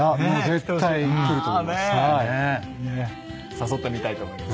誘ってみたいと思います。